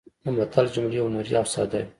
د متل جملې هنري او ساده وي